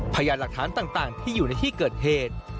พยานหลักฐานต่างที่อยู่ในที่เกิดเหตุ